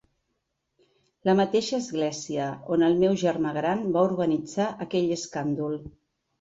La mateixa església on el meu germà gran va organitzar aquell escàndol.